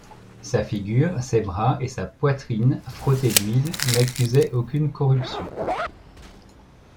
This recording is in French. Sa figure, ses bras et sa poitrine, frottés d’huile, n’accusaient aucune corruption.